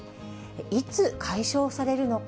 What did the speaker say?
いつ解消されるのか。